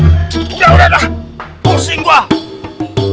ya udah dah pusing gue